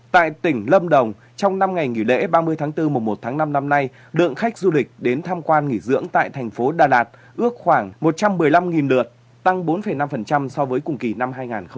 tại tỉnh lâm đồng trong năm ngày nghỉ lễ ba mươi tháng bốn mùa một tháng năm năm nay lượng khách du lịch đến tham quan nghỉ dưỡng tại thành phố đà lạt ước khoảng một trăm một mươi năm lượt tăng bốn năm so với cùng kỳ năm hai nghìn hai mươi ba